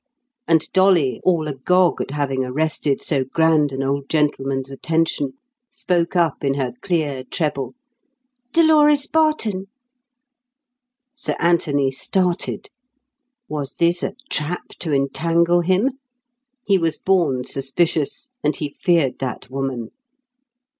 And Dolly, all agog at having arrested so grand an old gentleman's attention, spoke up in her clear treble, "Dolores Barton." Sir Anthony started. Was this a trap to entangle him? He was born suspicious, and he feared that woman.